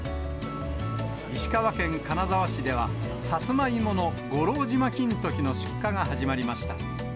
石川県金沢市では、サツマイモの五郎島金時の出荷が始まりました。